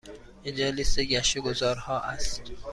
اینجا لیست گشت و گذار ها است.